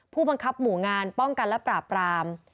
ผู้บังคับหมู่งานป้องกันและปราบราม